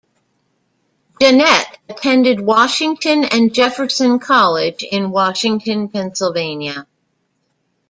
Jeannette attended Washington and Jefferson College, in Washington, Pennsylvania.